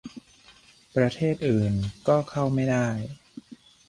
ประเทศอื่นก็เข้าไม่ได้